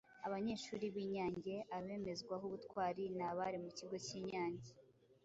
Abanyeshuri b’i Nyange: Abemezwaho ubutwari ni abari mu cyigo cy’i Nyange